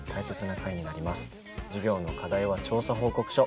授業の課題は調査報告書。